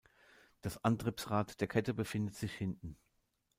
Das Antriebsrad der Kette befindet sich hinten.